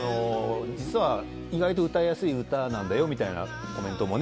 実は意外と歌いやすい歌なんだよみたいなコメントもね